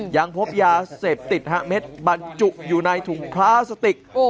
ยังพบยาเสพติดเม็ดบรรจุอยู่ในถุงพลาสติก